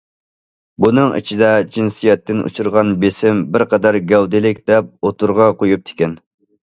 بۇنىڭ ئىچىدە جىنسىيەتتىن ئۇچرىغان بېسىم بىر قەدەر گەۋدىلىك... دەپ ئوتتۇرىغا قويۇپتىكەن.